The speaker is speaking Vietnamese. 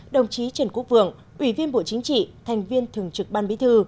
đồng chí trần quốc vượng ủy viên bộ chính trị thành viên thường trực ban bí thư